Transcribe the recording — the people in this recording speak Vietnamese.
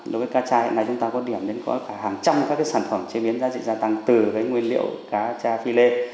đối với cá cha hiện nay chúng ta có điểm đến có cả hàng trăm các sản phẩm chế biến giá trị gia tăng từ nguyên liệu cá tra phi lê